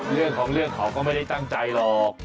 เรื่องของเรื่องเขาก็ไม่ได้ตั้งใจหรอก